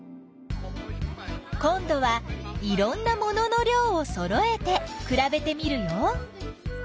こんどはいろんなものの量をそろえてくらべてみるよ。